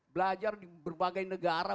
belajar di berbagai negara